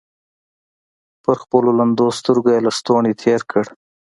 پر خپلو لندو سترګو يې لستوڼۍ تېر کړ.